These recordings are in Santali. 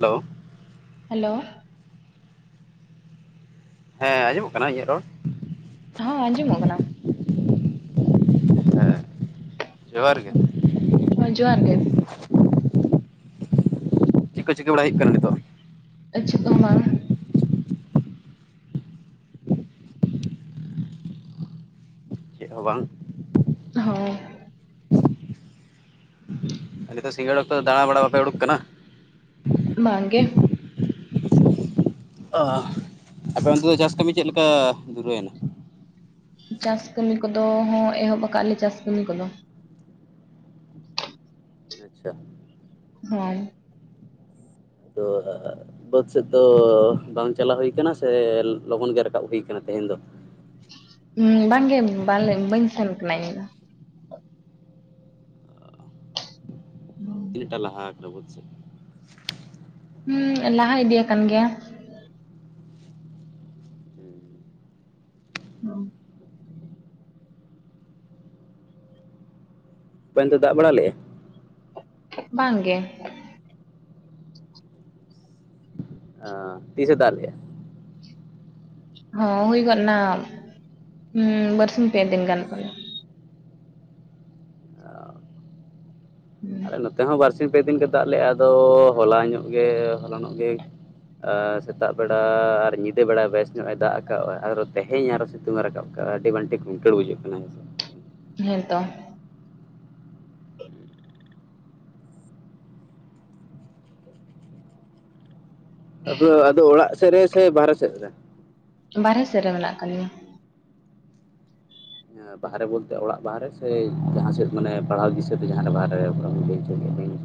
ᱦᱮᱞᱳ! ᱦᱮᱞᱳ! ᱦᱮᱸ ᱟᱸᱡᱚᱢᱚᱜ ᱠᱟᱱᱟ ᱤᱧᱟᱹᱜ ᱨᱚᱲ? ᱦᱚᱸ ᱟᱸᱡᱚᱢᱚᱜ ᱠᱟᱱᱟ᱾ ᱦᱮᱸ ᱡᱚᱦᱟᱨ ᱜᱮ ᱦᱳᱭ ᱡᱚᱦᱟᱨ ᱜᱮ᱾ ᱪᱮᱫ ᱠᱚ ᱪᱤᱠᱟᱹ ᱵᱟᱲᱟᱭ ᱦᱩᱭᱩᱜ ᱠᱟᱱᱟ ᱱᱤᱛᱚᱜ? ᱟ ᱪᱮᱫ ᱦᱚᱸ ᱵᱟᱝ ᱾ ᱪᱮᱫ ᱦᱚᱸ ᱵᱟᱝ? ᱦᱳᱭ ᱾ ᱱᱤᱛᱚᱜ ᱥᱤᱸᱜᱟᱹᱲ ᱚᱠᱛᱚ ᱫᱟᱬᱟ ᱵᱟᱲᱟ ᱵᱟᱯᱮ ᱩᱰᱩᱠ ᱠᱟᱱᱟ? ᱵᱟᱝ ᱜᱮ ᱾ ᱚ, ᱟᱯᱮ ᱚᱱᱛᱮ ᱫᱚ ᱪᱟᱥ ᱠᱟᱹᱢᱤ ᱪᱮᱫ ᱞᱮᱠᱟ ᱫᱩᱨᱣᱮᱱᱟ? ᱪᱟᱥ ᱠᱟᱹᱢᱤ ᱠᱚᱫᱚ ᱦᱚ ᱮᱦᱚᱵ ᱟᱠᱟᱫ ᱞᱮ ᱪᱟᱥ ᱠᱟᱹᱢᱤ ᱠᱚᱫᱚ᱾ ᱟᱪᱪᱷᱟ ᱾ ᱦᱮᱸ ᱾ [unintelligible] ᱵᱟᱹᱫᱽ ᱥᱮᱫ ᱫᱚ ᱵᱟᱝ ᱪᱟᱞᱟᱣ ᱦᱩᱭ ᱠᱟᱱᱟ ᱥᱮ ᱞᱚᱜᱚᱱ ᱜᱮ ᱨᱟᱠᱟᱵ ᱦᱩᱭ ᱟᱠᱟᱱᱟ ᱛᱮᱦᱮᱱ ᱫᱚ? ᱦᱩᱸ ᱵᱟᱝ ᱜᱮ ᱵᱟᱞᱮ ᱵᱟᱹᱧ ᱥᱮᱱ ᱠᱟᱱᱟ ᱤᱧ ᱫᱚ᱾ [inaudible] ᱛᱤᱱᱴᱟ ᱞᱟᱦᱟ ᱠᱟᱱᱟ ᱵᱟᱹᱫ ᱥᱮᱜ? ᱦᱩᱸ ᱞᱟᱦᱟ ᱤᱫᱤᱭᱟᱠᱟᱱ ᱜᱮᱭᱟ᱾ [inaudible] ᱟᱯᱮ ᱚᱱᱛᱮ ᱫᱟᱜ ᱵᱟᱲᱟ ᱞᱮᱜᱼᱟ? ᱵᱟᱝ ᱜᱮ᱾ ᱟ ᱛᱤᱥᱮ ᱫᱟᱜ ᱞᱮᱭᱟ? ᱦᱚ ᱦᱩᱭ ᱜᱚᱫ ᱱᱟ ᱦᱩᱸ ᱵᱟᱨᱥᱤᱧ ᱯᱮ ᱫᱤᱱ ᱜᱟᱱ ᱠᱚ᱾ ᱦᱩᱸ, ᱟᱞᱮ ᱱᱚᱛᱮ ᱦᱚᱸ ᱵᱟᱨ ᱥᱤᱧ ᱯᱮ ᱫᱤᱱ ᱜᱮ ᱫᱟᱜ ᱞᱮᱫᱼᱟ ᱟᱫᱚ ᱦᱚᱞᱟ ᱧᱚᱜ ᱜᱮ ᱦᱚᱞᱟ ᱱᱚᱜ ᱜᱮ ᱥᱮᱛᱟᱜ ᱵᱮᱲᱟ ᱟᱨ ᱧᱤᱫᱟᱹ ᱵᱮᱲᱟ ᱵᱮᱥ ᱧᱚᱜᱼ ᱮ ᱫᱟᱜ ᱟᱠᱟᱜ ᱟᱭ ᱟᱨᱚ ᱛᱮᱦᱮᱧ ᱟᱨ ᱥᱤᱛᱩᱝ ᱮ ᱨᱟᱠᱟᱵ ᱠᱟᱜᱼᱟ ᱟᱹᱰᱤ ᱵᱟᱝ ᱴᱷᱤᱠ ᱜᱷᱩᱱᱴᱟ. ᱲ ᱵᱩᱡᱟᱹᱜ ᱠᱟᱱᱟ ᱾ ᱦᱮᱸ ᱛᱚ᱾ ᱟᱫᱚ ᱟᱫᱚ ᱚᱲᱟᱜ ᱥᱮᱫ ᱨᱮ ᱥᱮ ᱵᱟᱨᱦᱮ ᱥᱮᱫ ᱨᱮ? ᱵᱟᱨᱦᱮ ᱥᱮᱫ ᱨᱮ ᱢᱮᱱᱟᱜ ᱠᱟᱫ ᱞᱤᱧᱟ᱾ ᱵᱟᱦᱨᱮ ᱵᱚᱞᱛᱮ ᱚᱲᱟᱜ ᱵᱟᱦᱨᱮ ᱥᱮ ᱡᱟᱦᱟᱸ ᱥᱮᱫ ᱢᱟᱱᱮ ᱯᱟᱲᱦᱟᱣ ᱫᱤᱥᱟᱹᱛᱮ ᱡᱟᱦᱟᱸᱨᱮ ᱵᱟᱦᱨᱮ [inaudible]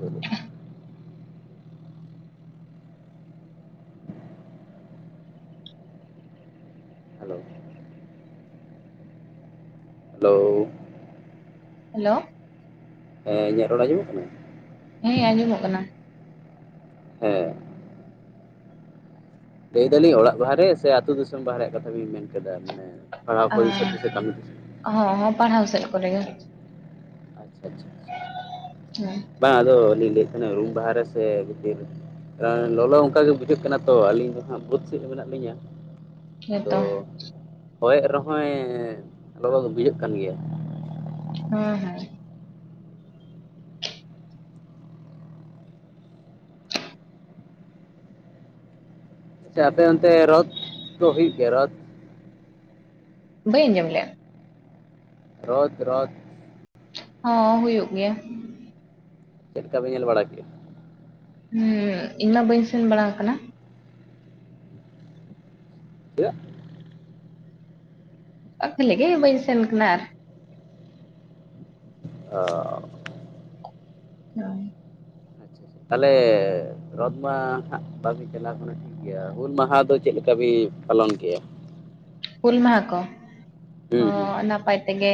ᱦᱮᱞᱳ ᱦᱮᱞᱳ᱾ ᱦᱮᱞᱳ᱾ ᱦᱮᱸ ᱤᱧᱟᱹᱜ ᱨᱚᱲ ᱟᱡᱚᱢᱚᱜ ᱠᱟᱱᱟ? ᱦᱮᱸ ᱟᱸᱡᱚᱢᱚᱜ ᱠᱟᱱᱟ᱾ ᱦᱮᱸ᱾ ᱞᱟᱹᱭ ᱫᱟᱞᱤᱧ ᱚᱲᱟᱜ ᱵᱟᱦᱨᱮ ᱥᱮ ᱟᱹᱛᱩᱳ ᱫᱤᱥᱚᱢ ᱵᱟᱦᱨᱮ ᱨᱮᱭᱟᱜ ᱠᱟᱛᱷᱟ ᱵᱮᱱ ᱢᱮᱱ ᱠᱮᱫᱟ? ᱢᱟᱱᱮ ᱯᱟᱲᱦᱟᱣ ᱯᱚᱨᱤᱥᱚᱫ ᱥᱮ ᱠᱟᱹᱢᱤ ᱫᱤᱥᱟᱹᱛᱮ? ᱚ ᱦᱚᱸ ᱦᱚᱸ ᱯᱟᱲᱦᱟᱣ ᱥᱮᱫ ᱠᱚᱨᱮᱜᱮ᱾ ᱟᱪᱪᱷᱟ ᱟᱪᱪᱷᱟ ᱦᱮᱸ ᱵᱟᱝ ᱟᱫᱚ ᱞᱤᱧ ᱞᱟᱹᱭᱮᱫ ᱛᱟᱦᱮᱸᱱᱟ ᱨᱩᱢ ᱵᱟᱦᱟᱨᱮ ᱥᱮ ᱵᱷᱤᱛᱤᱨ? ᱞᱚᱞᱚ ᱚᱱᱠᱟᱜᱮ ᱵᱩᱡᱷᱟᱹᱜ ᱠᱟᱱᱟ ᱛᱚ ᱟᱹᱞᱤᱧ ᱫᱚ ᱦᱟᱸᱜ ᱵᱟᱫᱽ ᱥᱮᱫ ᱢᱮᱱᱟᱜ ᱞᱤᱧᱟᱹ᱾ ᱟᱫᱚ ᱦᱮᱸᱛᱚ ᱦᱚᱭᱮᱜ ᱨᱮᱦᱚᱸᱭ ᱞᱚᱞᱚ ᱫᱚ ᱵᱩᱡᱷᱟᱹᱜ ᱠᱟᱱ ᱜᱮᱭᱟ᱾ ᱦᱩᱸ ᱦᱮᱸ᱾ ᱟᱪᱪᱷᱟ ᱟᱯᱮ ᱚᱱᱛᱮ ᱨᱚᱫ ᱠᱚ ᱦᱩᱭᱩᱜ ᱜᱮᱭᱟ ᱨᱚᱫ? ᱵᱟᱹᱧ ᱟᱸᱡᱚᱢ ᱞᱮᱫᱼᱟ? ᱨᱚᱫ ᱨᱚᱫ᱾ ᱦᱚᱸ ᱦᱩᱭᱩᱜ ᱜᱮᱭᱟ᱾ ᱪᱮᱫ ᱠᱟᱯᱮ ᱧᱮᱞ ᱵᱟᱲᱟ ᱠᱮᱜᱼᱟ? ᱦᱩᱸ ᱤᱧᱢᱟ ᱵᱟᱹᱧ ᱥᱮᱱ ᱵᱟᱲᱟ ᱠᱟᱱᱟ᱾ ᱪᱮᱫᱟᱜ? ᱚ ᱠᱷᱟᱞᱤ ᱜᱮ ᱵᱟᱹᱧ ᱥᱮᱱ ᱠᱟᱱᱟ ᱟᱨ ᱚ᱾ ᱦᱳᱭ᱾ ᱟᱪᱪᱷᱟ ᱛᱟᱦᱚᱞᱮ ᱨᱚᱫ ᱢᱟ ᱦᱟᱸᱜ [inaudible] ᱴᱷᱤᱠ ᱜᱮᱭᱟ, ᱦᱩᱞ ᱢᱟᱦᱟ ᱫᱚ ᱪᱮᱫᱮᱠᱟ ᱵᱤᱱ ᱯᱟᱞᱚᱱ ᱠᱮᱜᱼᱟ? ᱯᱷᱩᱞᱢᱟ ᱦᱟ ᱠᱚ ᱚ ᱦᱩᱸ ᱦᱩᱸ ᱱᱟᱯᱟᱭ ᱛᱮᱜᱮ᱾